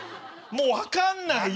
もう分かんない。